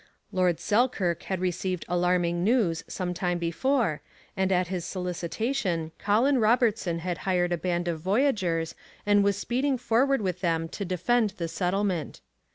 Lord Selkirk had received alarming news some time before, and at his solicitation Colin Robertson had hired a band of voyageurs, and was speeding forward with them to defend the settlement.